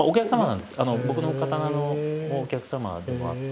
僕の刀のお客様でもあって。